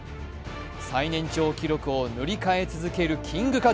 最年長記録を塗り替え続けるキング・カズ。